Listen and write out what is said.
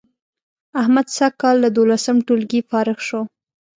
احمد سږ کال له دولسم ټولگي فارغ شو